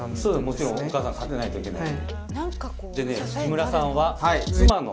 もちろんお母さん立てないといけない。